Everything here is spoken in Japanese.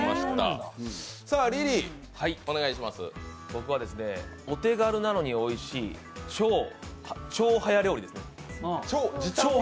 僕は、お手軽なのにおいしい超速料理ですね。